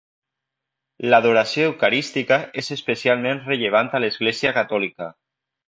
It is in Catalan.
L'adoració eucarística és especialment rellevant a l'església catòlica.